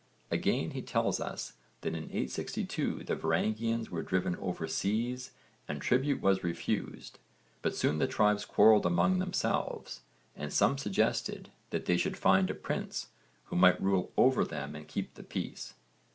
Again he tells us that in 862 the Varangians were driven over seas and tribute was refused, but soon the tribes quarrelled among themselves and some suggested that they should find a prince who might rule over them and keep the peace.